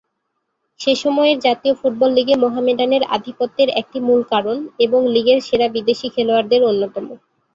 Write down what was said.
সেসময়ের জাতীয় ফুটবল লীগে মোহামেডানের আধিপত্যের একটি মুল কারণ, এবং লীগের সেরা বিদেশী খেলোয়াড়দের অন্যতম।